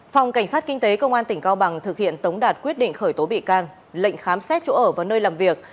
phòng cảnh sát kinh tế công an tỉnh cao bằng thực hiện tống đạt quyết định khởi tố bị can lệnh khám xét chỗ ở và nơi làm việc